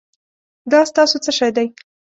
دا ستاسو څه شی دی؟